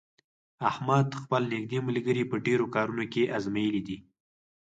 احمد خپل نېږدې ملګري په ډېرو کارونو کې ازمېیلي دي.